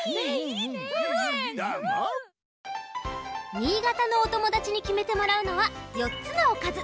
新潟のおともだちにきめてもらうのは４つのおかず。